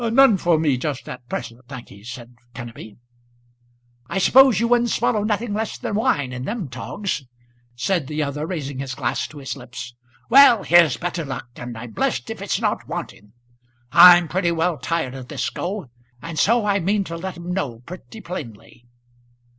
"None for me just at present, thank'ee," said Kenneby. "I suppose you wouldn't swallow nothing less than wine in them togs?" said the other, raising his glass to his lips. "Well, here's better luck, and I'm blessed if it's not wanting. I'm pretty well tired of this go, and so I mean to let 'em know pretty plainly."